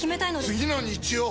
次の日曜！